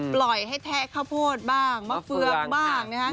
ปล่อยให้แทะข้าวโพดบ้างมะเฟืองบ้างนะฮะ